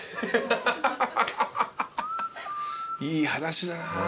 いい話だな。